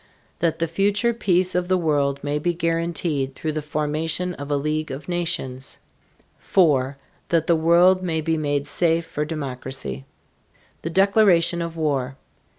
That the future peace of the world may be guaranteed through the formation of a league of nations. 4. That the world may be made safe for democracy. THE DECLARATION OF WAR.